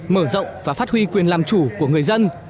mở rộng và phát huy quyền làm chủ của người dân